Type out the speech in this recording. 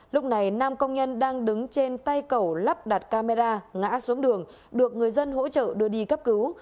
lúc này nam công nhân đang đứng trên tay cầu lắp đặt camera ngã xuống đường được người dân hỗ trợ đưa đi cấp cứu